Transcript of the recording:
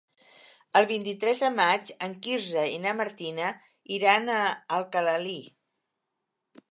El vint-i-tres de maig en Quirze i na Martina iran a Alcalalí.